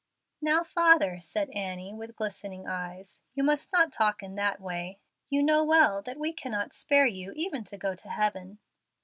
"Now, father," said Annie, with glistening eyes, "you must not talk in that way. You know well that we cannot spare you even to go to heaven."